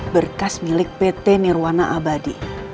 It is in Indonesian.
berkas milik pt nirwana abadi